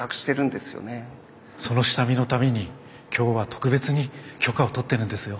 その下見のために今日は特別に許可を取ってるんですよ。